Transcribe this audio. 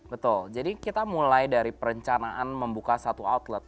betul jadi kita mulai dari perencanaan membuka satu outlet